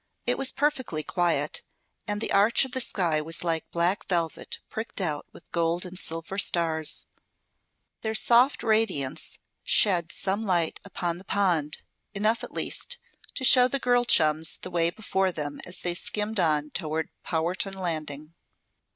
It was perfectly quiet, and the arch of the sky was like black velvet pricked out with gold and silver stars. Their soft radiance shed some light upon the pond, enough, at least, to show the girl chums the way before them as they skimmed on toward Powerton Landing.